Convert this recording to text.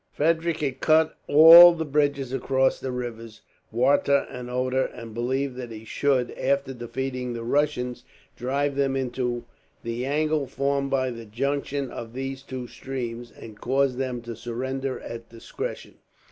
Frederick had cut all the bridges across the rivers Warta and Oder, and believed that he should, after defeating the Russians, drive them into the angle formed by the junction of these two streams, and cause them to surrender at discretion.